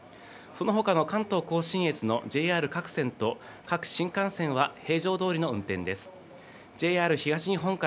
そのほかの関東甲信越のＪＲ各線と各新幹線は平常どおりの運転です。